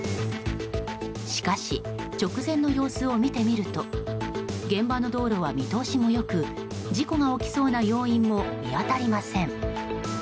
しかし、直前の様子を見てみると現場の道路は見通しも良く事故が起きそうな要因も見当たりません。